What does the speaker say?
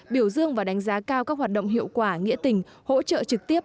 biểu dương và đánh giá cao các hoạt động hiệu quả nghĩa tình hỗ trợ trực tiếp